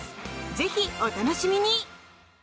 ぜひ、お楽しみに。